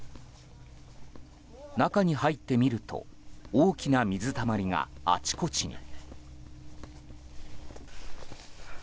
中に入ってみると大きな水たまりがあちこちに。